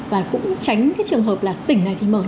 và cũng tránh cái trường hợp là tỉnh này thì mở